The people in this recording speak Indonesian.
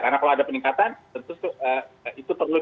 karena kalau ada peningkatan tentu itu perlu dibuat